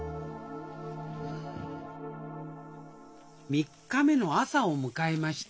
３日目の朝を迎えました